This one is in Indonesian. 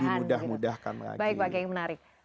jangan dimudah mudahkan lagi